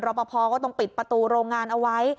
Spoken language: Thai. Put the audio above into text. รอบพอพอก็ต้องปิดประตูโรงงานเอาไว้